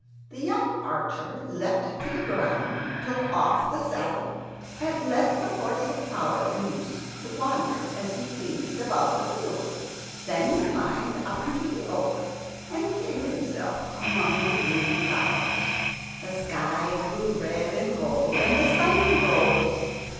The young archer leapt to the ground, took off the saddle, and let the horse of power loose to wander as he pleased about the field. Then he climbed up into the oak and hid himself among the green boughs. The sky grew red and gold, and the sun rose.